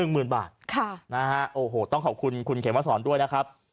หมื่นบาทค่ะนะฮะโอ้โหต้องขอบคุณคุณเขมสอนด้วยนะครับ